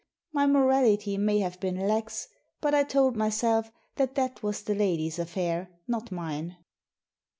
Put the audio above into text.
My morality may have been lax, but I told myself that that was the lady's affair, not mine.